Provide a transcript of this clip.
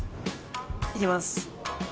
行きます。